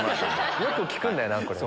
よく聞くんだよなこれ。